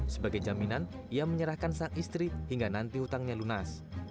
sebagai jaminan ia menyerahkan sang istri hingga nanti hutangnya lunas